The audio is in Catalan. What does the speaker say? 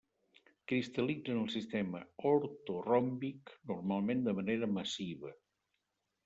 Cristal·litza en el sistema ortoròmbic, normalment de manera massiva.